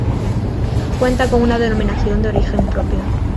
Cuenta con una denominación de origen propia.